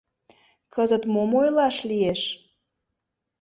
Кызыт мом ойлаш лиеш?